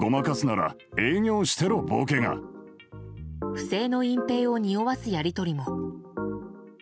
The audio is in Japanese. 不正の隠蔽をにおわすやり取りも。